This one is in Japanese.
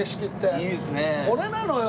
これなのよ！